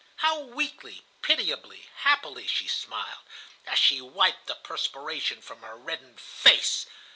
How weakly, pitiably, happily she smiled, as she wiped the perspiration from her reddened face!